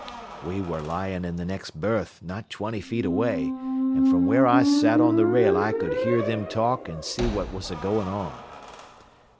"We ware lying in th' next berth, not twenty feet away, an' from where I sat on th' rail I cud hear thim talk an' see what was a goin' on.